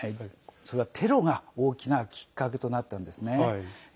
それはテロが大きなきっかけとなったんですね。